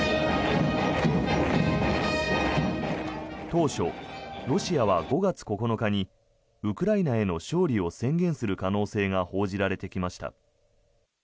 当初、ロシアは５月９日にウクライナへの勝利を宣言する可能性が報じられてきました。